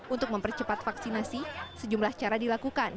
untuk mempercepat vaksinasi sejumlah cara dilakukan